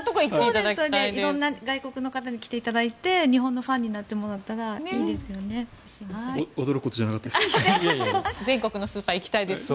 ぜひ、日本に来ていただいて日本のファンになってもらったらいいですよね。